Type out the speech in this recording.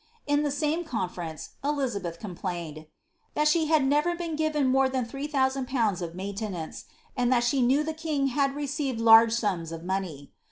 In the same conference, Elizabeth complained ^^ that she had never been given more that 3000Z. of maintenance,' and that she knew the king had received large sums of money."